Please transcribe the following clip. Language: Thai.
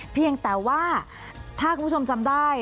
เพียงแต่ว่าถ้าคุณผู้ชมจำได้